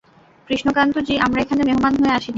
কৃষ্ণকান্ত জি আমরা এখানে মেহমান হয়ে আসিনি।